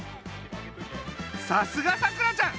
さすがさくらちゃん！